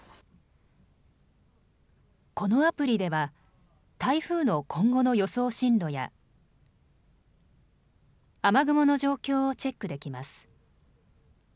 このアプリでは台風の今後の予想進路や雨雲の状況をチェックできます。